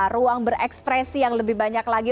ruang berekspresi yang lebih banyak lagi